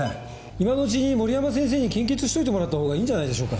今のうちに森山先生に献血しといてもらった方がいいんじゃないでしょうか。